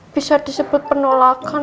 bisa disebut penolakan